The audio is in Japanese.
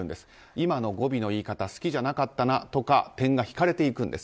今の語尾の言い方好きじゃなかったなとか点が引かれていくんです。